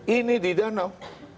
ini di danau